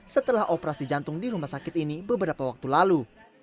setelah operasi jantung di rumah sakit ini beberapa waktu lalu